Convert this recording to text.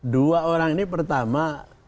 dua orang ini pertama